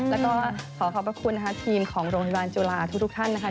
แล้วก็ขอขอบพระคุณนะคะทีมของโรงพยาบาลจุฬาทุกท่านนะคะ